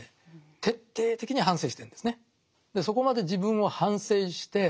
徹底的に反省してるんですね。